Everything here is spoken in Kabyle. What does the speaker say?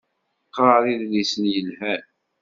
Qqar idlisen yelhan.